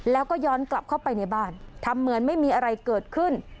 แล้วก็ย้อนกลับเข้าไปในบ้านทำเหมือนไม่มีอะไรเกิดขึ้น